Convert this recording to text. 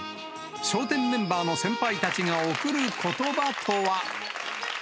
笑点メンバーの先輩たちが贈ることばとは。